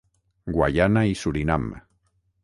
Guaiana i Surinam.